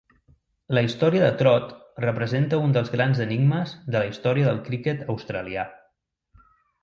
La història de Trott representa un dels grans enigmes de la història del criquet australià.